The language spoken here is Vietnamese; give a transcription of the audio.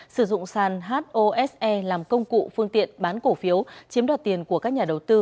sử dụng sàn hose làm công cụ phương tiện bán cổ phiếu chiếm đoạt tiền của các nhà đầu tư